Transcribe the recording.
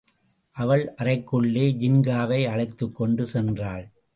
அவள் அறைக்குள்ளே ஜின்காவை அழைத்துக்கொண்டு சென்றாள்.